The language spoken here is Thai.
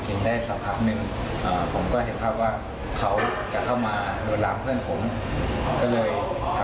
เขาเหมือนว่าเขาจะเข้ามาเคลียร์ให้อะไรอย่างนี้ครับ